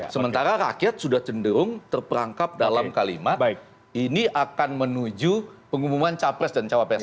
sementara rakyat sudah cenderung terperangkap dalam kalimat ini akan menuju pengumuman capres dan cawapres